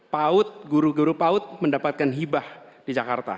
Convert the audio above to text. paut guru guru paut mendapatkan hibah di jakarta